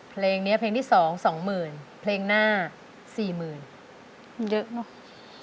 เพลงเนี้ยเพลงที่สองสองหมื่นเพลงหน้าสี่หมื่นเยอะเนอะ